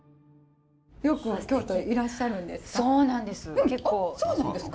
よく京都へいらっしゃるんですか？